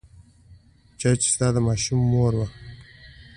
چا چې ستا د ماشوم مور وه.